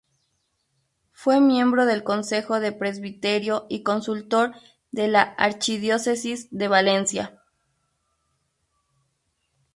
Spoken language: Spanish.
Fue miembro del Consejo de Presbiterio y consultor de la archidiócesis de Valencia.